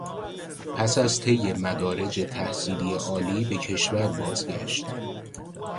پس از طی مدارج تحصیلی عالی به کشور بازگشت